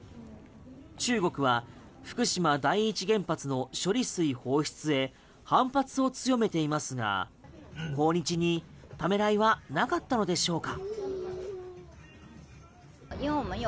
中国は福島第一原発の処理水放出へ反発を強めていますが訪日にためらいはなかったのでしょうか？